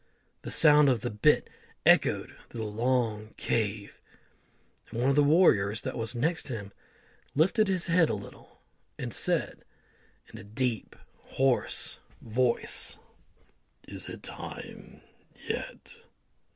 The sound of the bit echoed through the long cave, and one of the warriors that was next him lifted his head a little, and said, in a deep hoarse voice, "Is it time yet?"